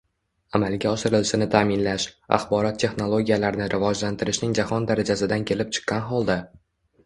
amalga oshirilishini ta'minlash, axborot texnologiyalarini rivojlantirishning jahon darajasidan kelib chiqqan holda